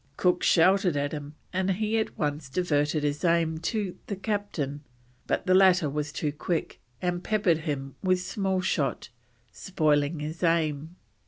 Cook shouted at him, and he at once diverted his aim to the Captain, but the latter was too quick, and peppered him with small shot, spoiling his aim.